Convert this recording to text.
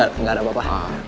gak lah soalnya gak ada apa apa